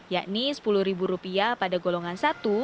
yakni rp sepuluh pada golongan satu